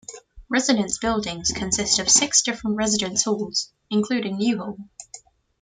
Residence buildings consist of six different residence halls, including New Hall.